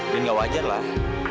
dan gak wajar lah